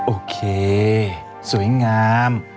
โอเคสวยงาม